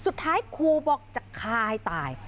ไชควรบอกจะค้ายตาย